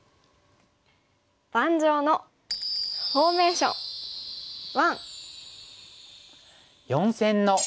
「盤上のフォーメーション１」。